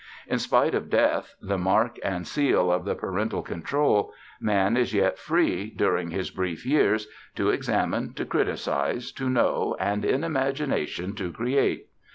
In spite of Death, the mark and seal of the parental control, Man is yet free, during his brief years, to examine, to criticize, to know, and in imagination to create.